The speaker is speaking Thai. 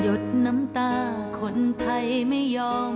ดน้ำตาคนไทยไม่ยอม